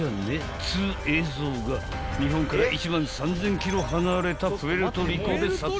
っつう映像が日本から１万３，０００ｋｍ離れたプエルトリコで撮影されたってよ］